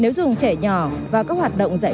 nó tạo cái